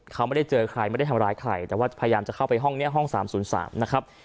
เขาไม่ได้เจอใครไม่ได้ทำร้ายใครแต่ว่าพยายามจะเข้าไปห้องนี้ห้อง๓๐๓นะครับ